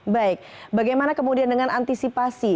baik bagaimana kemudian dengan antisipasi